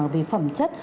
về phẩm chất